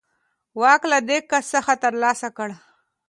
واک له دې کس څخه ترلاسه کړ.